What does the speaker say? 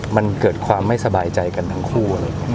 มันเกิดความไม่สบายใจกันทั้งคู่